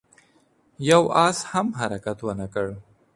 يوه آس هم حرکت ونه کړ.